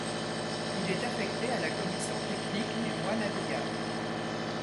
Il est affecté à la commission technique des voies navigables.